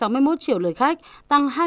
tăng hai mươi hai chín so với cùng kỳ năm ngoái